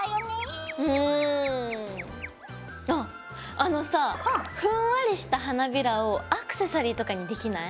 あのさふんわりした花びらをアクセサリーとかにできない？